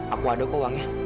aku ada kok uangnya